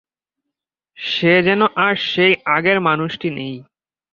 সে যেন আর সেই আগের মানুষটি নেই।